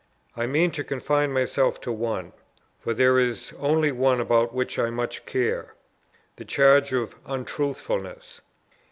I mean to confine myself to one, for there is only one about which I much care, the charge of Untruthfulness.